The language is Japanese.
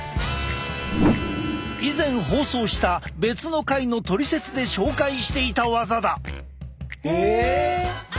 以前放送した別の回のトリセツで紹介していた技だ！え！